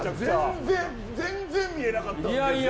全然見えなかった。